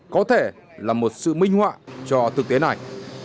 có thể là một sự minh họa cho thực tế này